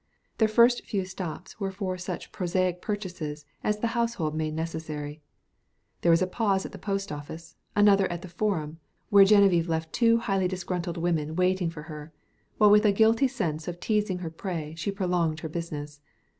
Their first few stops were for such prosaic purchases as the household made necessary; there was a pause at the post office, another at the Forum, where Geneviève left two highly disgruntled women waiting for her while with a guilty sense of teasing her prey she prolonged her business.